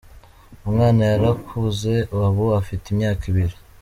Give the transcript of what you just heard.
Umwana yarakuze ubu afite imyaka ibiri.